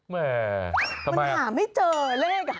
แม่ทำไมมันหาไม่เจอเลข